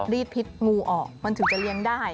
รีดพิษงูออกมันถึงจะเลี้ยงได้